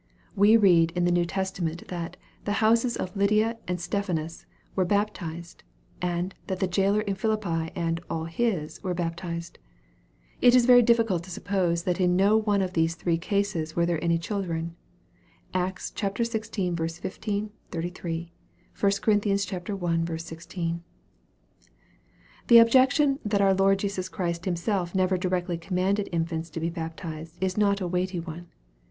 We read in the New Testa ment that the " houses" of Lydia and Stephanus were baptized, and that the jailer of Philippi and " all his" were baptized. It is very difficult to suppose that in no one of these three cases were there any children. (Acts xvi. 15, 33. 1 Cor. i. 16.) The objaction that our Lord Jesus Christ Himself never directly commanded infants to be baptized is not a weighty one.